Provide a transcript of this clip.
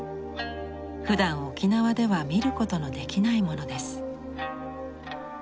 ふだん沖縄では見ることのできないものです。